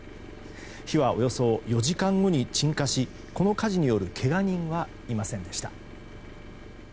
火はおよそ４時間後に鎮火しこの火事によるけが人はいませんでした。